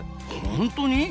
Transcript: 本当に？